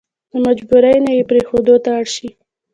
له مجبوري نه يې پرېښودو ته اړ شي.